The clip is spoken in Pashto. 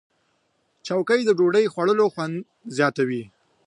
چوکۍ د ډوډۍ خوړلو خوند زیاتوي.